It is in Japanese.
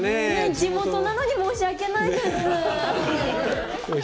地元なのに申し訳ないです。